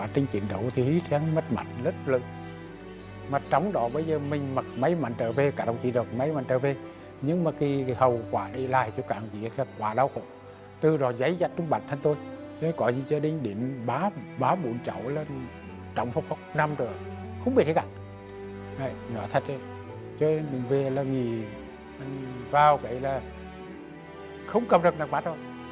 trên đường về là nghỉ vào kể là không cầm được năng bát đâu không cầm được năng bát